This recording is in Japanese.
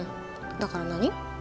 だから何？